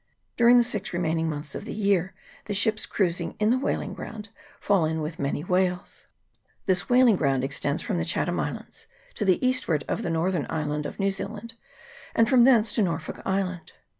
During the six remaining months of the year the ships cruising in the " whaling ground " fall in with many whales. This whaling ground extends from the Chatham Islands to the eastward of the north ern island of New Zealand, and from thence to Nor folk Island.